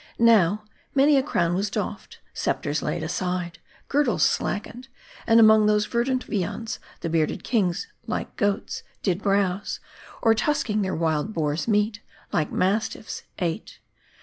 Now, many a crown was doffed ; scepters laid aside ; girdles slackened,; and among those verdant viands the bearded kings like goats did browse ; or tusking their wild boar's meat, like mastiffs ate.